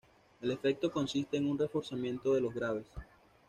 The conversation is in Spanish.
El efecto consiste en un reforzamiento de los graves.